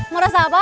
mau rasa apa